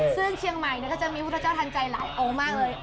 ซึ่งเชียงใหม่ก็จะมีพุทธเจ้าทันใจหลายองค์มากเลย